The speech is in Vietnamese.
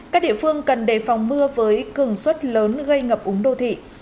các địa phương cần đề phòng mưa với cường suất lớn gây ngập úng đô thị